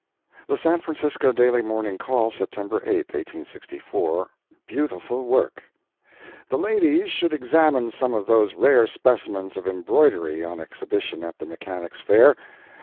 The San Francisco Daily Morning Call, September 8, 1864 BEAUTIFUL WORK The ladies should examine some of those rare specimens of embroidery on exhibition at the Mechanics' Fair.